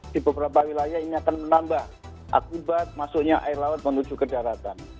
di beberapa wilayah ini akan menambah akibat masuknya air laut menuju ke daratan